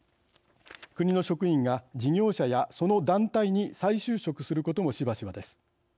国の職員が事業者やその団体に再就職することもしばしばです。